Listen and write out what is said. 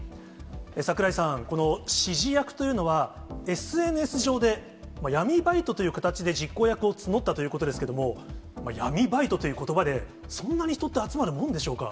櫻井さん、この指示役というのは、ＳＮＳ上で、闇バイトという形で実行役を募ったということですけれども、闇バイトということばで、そんなに人って集まるもんでしょうか。